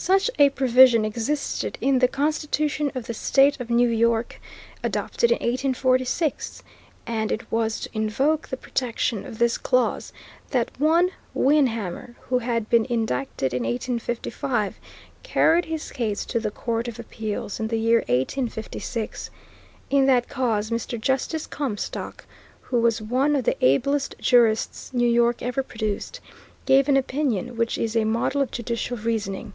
Such a provision existed hi the constitution of the State of New York, adopted in 1846, and it was to invoke the protection of this clause that one Wynehamer, who had been indicted in 1855, carried his case to the Court of Appeals in the year 1856. In that cause Mr. Justice Comstock, who was one of the ablest jurists New York ever produced, gave an opinion which is a model of judicial' reasoning.